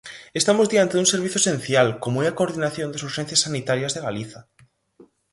Estamos diante dun servizo esencial como é a coordinación das urxencias sanitarias de Galiza.